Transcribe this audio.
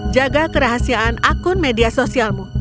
jaga kerahasiaan akun media sosialmu